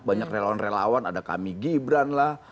banyak relawan relawan ada kami gibran lah